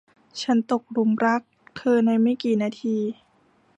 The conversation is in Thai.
ฉันตกหลุมรักเธอในไม่กี่นาที